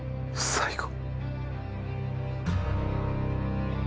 最後。